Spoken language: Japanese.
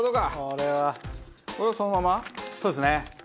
そうですね。